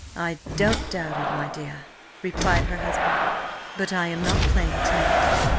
"I don't doubt it, my dear," replied her husband, "but I am not playing to night.